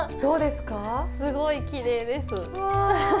すごいきれいです。